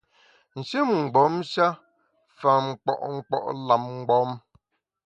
Nshin mgbom-sha fa nkpo’ nkpo’ lam mgbom.